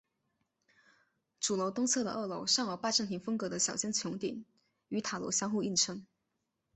主楼东侧的二楼上有拜占廷风格的小尖穹顶与塔楼相互映衬。